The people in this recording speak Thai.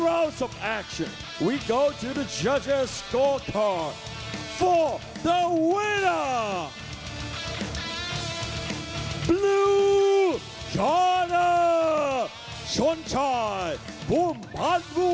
โอ้โหโอ้โหโอ้โห